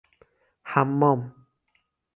حمام